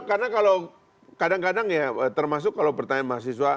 karena kalau kadang kadang ya termasuk kalau pertanyaan mahasiswa